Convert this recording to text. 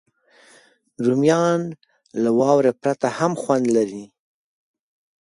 رومیان له واورې پرته هم خوند لري